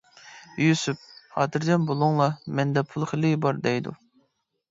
يۈسۈپ:-خاتىرجەم بۇلۇڭلار مەندە پۇل خېلى بار دەيدۇ.